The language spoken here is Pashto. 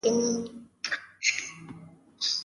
د مړي پر ټټر يې سر لگاوه.